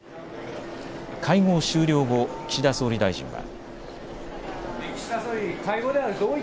会合終了後、岸田総理大臣は。